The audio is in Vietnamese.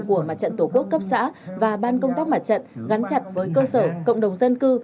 của mặt trận tổ quốc cấp xã và ban công tác mặt trận gắn chặt với cơ sở cộng đồng dân cư